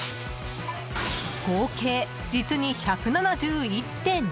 合計、実に１７１点。